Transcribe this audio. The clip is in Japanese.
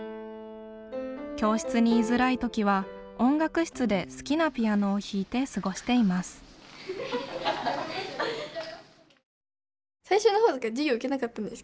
教室に居づらい時は音楽室で好きなピアノを弾いて過ごしています。